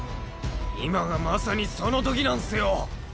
今がまさにそのときなんすよ。